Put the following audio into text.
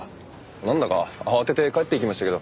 なんだか慌てて帰っていきましたけど。